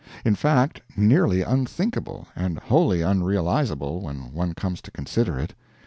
In fact, nearly unthinkable, and wholly unrealizable, when one comes to consider it.